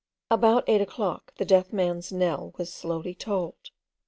About eight o'clock the dead man's knell was slowly tolled.